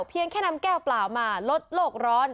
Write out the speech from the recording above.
เพียงแค่นำแก้วเปล่ามาลดโลกร้อน